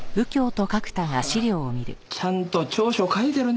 ああちゃんと調書書いてるね。